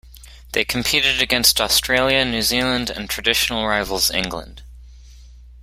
They competed against Australia, New Zealand and traditional rivals England.